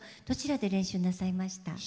どちらで練習なさいました？